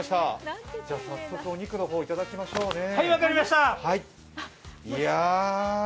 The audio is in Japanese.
早速、お肉の方いただきましょうね。